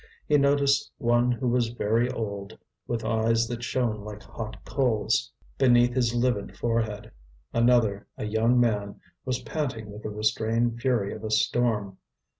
He noticed one who was very old, with eyes that shone like hot coals beneath his livid forehead. Another, a young man, was panting with the restrained fury of a storm.